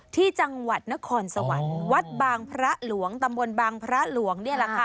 ที่จังหวัดนครสวรรค์วัดบางพระหลวงตำบลบางพระหลวง